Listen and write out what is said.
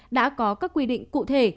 đã có các quy định cụ thể